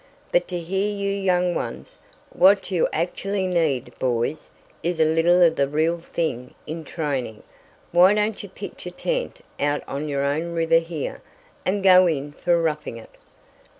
But to hear you young ones! What you actually need, boys, is a little of the real thing in training. Why don't you pitch a tent out on your own river here, and go in for roughing it?"